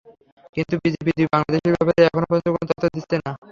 কিন্তু বিজিপি দুই বাংলাদেশির ব্যাপারে এখন পর্যন্ত কোনো তথ্য দিচ্ছে না।